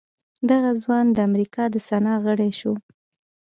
دغه ځوان د امريکا د سنا غړی شو.